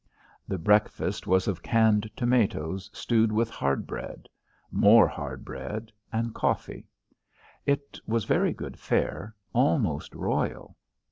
The breakfast was of canned tomatoes stewed with hard bread, more hard bread, and coffee. It was very good fare, almost royal.